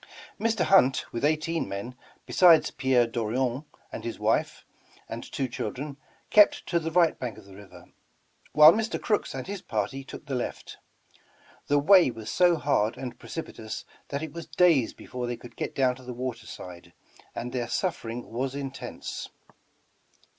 Mr. Hunt, with eighteen men, besides Pierre Dorion and his wdfe and two children, kept to the right bank of the river, while Mr. Crooks and his party took the left. The way was so hard and precipitous that it was days before they could get down to the water side, and their suffering was intense.